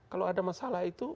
kalau ada masalah itu